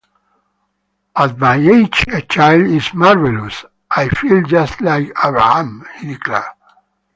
"At my age, a child is marvellous...I felt just like Abraham," he declared.